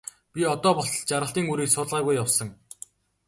Би одоо болтол жаргалын үрийг суулгаагүй явсан.